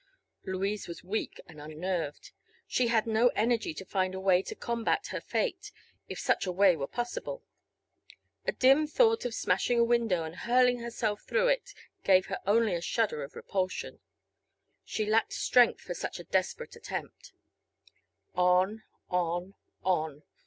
Louise was weak and unnerved. She had no energy to find a way to combat her fate, if such a way were possible. A dim thought of smashing a window and hurling herself through it gave her only a shudder of repulsion. She lacked strength for such a desperate attempt. On, on, on.